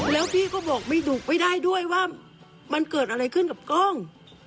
แล้วพี่ก็บอกไม่ดุไม่ได้ด้วยว่ามันเกิดอะไรขึ้นกับกล้อง